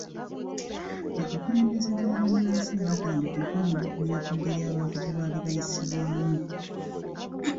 Abakulembeze ba bannansi baatandika okwemulugunya ku ngeri abantu gye baali bayisibwamu.